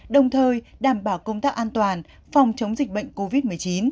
đồng thời đảm bảo công tác an toàn phòng chống dịch bệnh covid một mươi chín